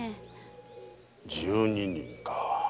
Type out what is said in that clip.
十二人か。